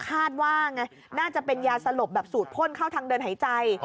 คาดว่าไงน่าจะเป็นยาสลบแบบสูดพ่นเข้าทางเดินหายใจ